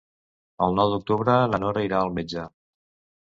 El nou d'octubre na Nora irà al metge.